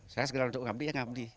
saya sekedar untuk ngabdi ya ngabdi